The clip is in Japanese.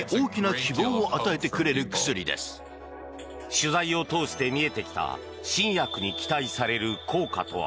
取材を通して見えてきた新薬に期待される効果とは。